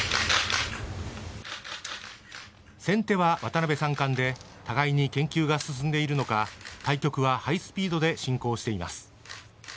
先手は渡辺三冠で互いに研究が進んでいるのか対局はハイスピードで進行しています。